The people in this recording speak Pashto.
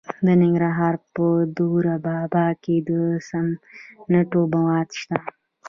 د ننګرهار په دور بابا کې د سمنټو مواد شته.